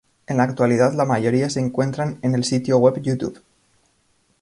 En la actualidad la mayoría se encuentran en el sitio web YouTube.